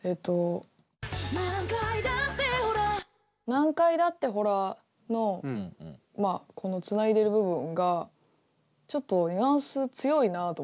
「何回だってほら」のこのつないでる部分がちょっとニュアンス強いなと思って。